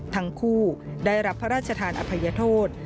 ทั้งคู่ได้รับพระราชทานอภัยโทษ